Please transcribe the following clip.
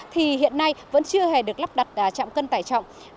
thì hiện nay vẫn chưa hề được lắp đặt chạm cân tải trọng